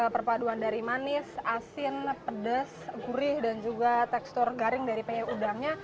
perpaduan dari manis asin pedas gurih dan juga tekstur garing dari peyek udangnya